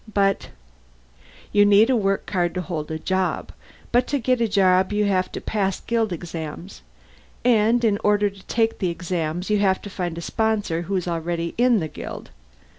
"But " "You need a work card to hold a job. But to get a job, you have to pass guild exams. And in order to take the exams you have to find a sponsor who's already in the guild.